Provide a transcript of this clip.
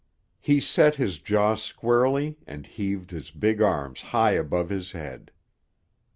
He set his jaw squarely and heaved his big arms high above his head.